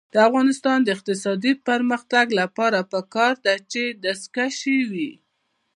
د افغانستان د اقتصادي پرمختګ لپاره پکار ده چې دستکشې وي.